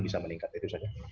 bisa meningkat itu saja